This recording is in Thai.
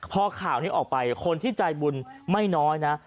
พอข่าวนี้ออกไปคนที่ใจบุญไม่น้อยนะ